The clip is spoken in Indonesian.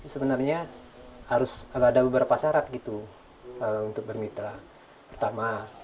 sebenarnya harus bandar beberapa syarat gitu kalau untuk bermitra tama oh lahan mereka harus berada di luar taman natal